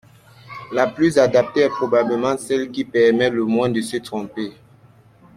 La plus adaptée est probablement celle qui permet le moins de se tromper.